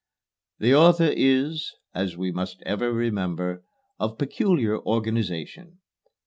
"The author is, as we must ever remember, of peculiar organization.